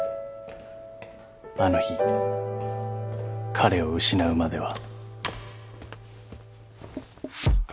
［あの日彼を失うまでは］